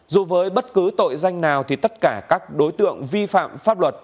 dù với bất cứ tội danh nào thì tất cả các đối tượng vi phạm pháp luật